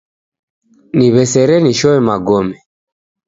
Niw'esere nishoe magome